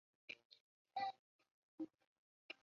白云百蕊草为檀香科百蕊草属下的一个种。